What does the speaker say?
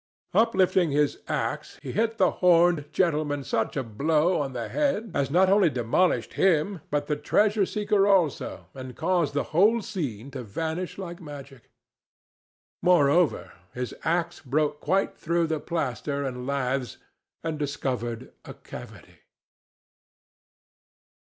Uplifting his axe, he hit the horned gentleman such a blow on the head as not only demolished him, but the treasure seeker also, and caused the whole scene to vanish like magic. Moreover, his axe broke quite through the plaster and laths and discovered a cavity.